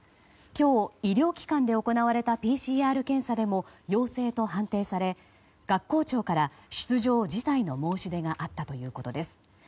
今日、医療機関で行われたＰＣＲ検査でも陽性と判定され学校長から出場辞退の申し出があったということです。